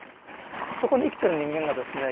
そこに生きてる人間がですね